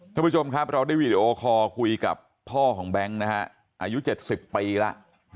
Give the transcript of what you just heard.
ท่านผู้ชมครับเราได้วีดีโอคอร์คุยกับพ่อของแบงค์นะฮะอายุ๗๐ปีแล้ว